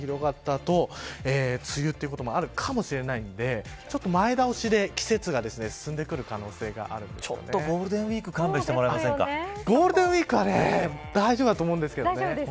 あと梅雨ということもあるかもしれないんでちょっと前倒しで季節が進んでくる可能性がちょっとゴールデンウイークゴールデンウイークは大丈夫だと思うんですけどね。